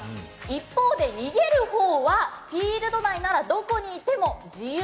一方で逃げる方はフィールド内ならどこにいても自由。